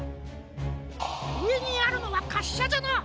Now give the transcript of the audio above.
うえにあるのはかっしゃじゃな。